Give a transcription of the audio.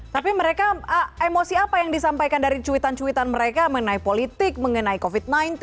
tapi mereka emosi apa yang disampaikan dari cuitan cuitan mereka mengenai politik mengenai covid sembilan belas